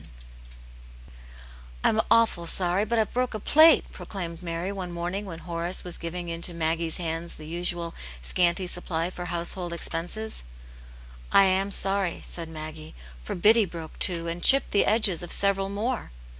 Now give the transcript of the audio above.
T 'M awful sorry, but I've broke a plate," pro A claimed Mary one morning, when Horace was giving into Maggie's hands the usual scanty supply for household expenses. "I am sorry," said Maggie. "For Biddy broke two, and chipped the edges of several more."